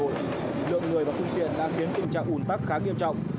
lượng người và phương tiện đang khiến tình trạng ủn tắc khá nghiêm trọng